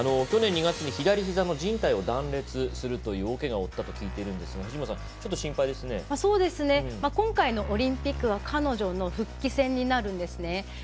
去年２月に左ひざのじん帯を断裂するという大けがを負ったと聞いているんですが今回のオリンピックは彼女の復帰戦にななるんですね。